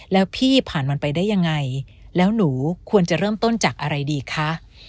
แล้วพี่ผ่านมันไปได้ยังไงแล้วหนูควรจะเริ่มต้นจากอะไรดีคะ